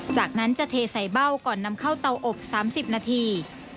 จากนั้นจะเทใส่เบ้าก่อนนำเข้าเตาอบ๓๐นาที